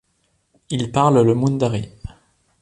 Ils parlent le mundari.